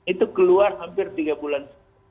itu keluar hampir tiga bulan